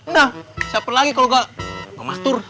nah siapa lagi kalau gak bang mastur